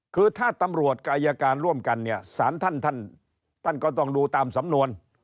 คือถ้าตำรวจกับอายการร่วมกันเนี่ยสารท่านท่านก็ต้องดูตามสำนวน